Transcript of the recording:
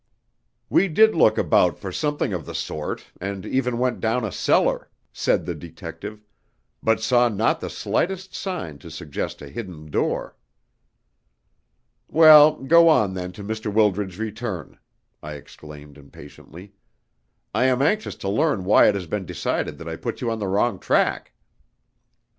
"We did look about for something of the sort, and even went down a cellar," said the detective, "but saw not the slightest sign to suggest a hidden door." "Well, go on then to Mr. Wildred's return," I exclaimed impatiently. "I am anxious to learn why it has been decided that I put you on the wrong track."